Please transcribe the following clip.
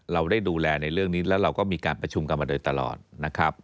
เราได้ดูแลในเรื่องนี้แล้วเราก็มีการประชุมกันมาโดยตลอดนะครับ